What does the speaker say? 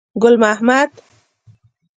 ګل محمد.